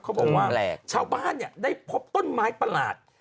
เขาบอกว่าชาวบ้านเนี่ยได้พบต้นไม้ประหลาด